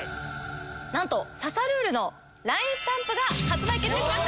なんと『刺さルール！』のＬＩＮＥスタンプが発売決定しました！